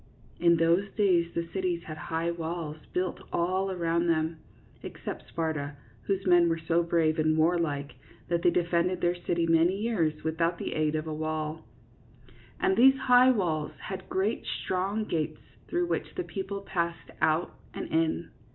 In those days the cities had high walls built aU around them (except Sparta, whose men THE WOODEN HORSE. 11 were so brave and warlike that they defended their city many years without the aid of a wall), and these high walls had great strong gates through which the people passed out and in.